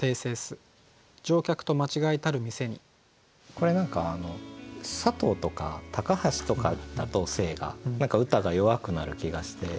これ何か佐藤とか高橋とかだと姓が何か歌が弱くなる気がして。